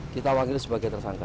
kita wakil sebagai tersangka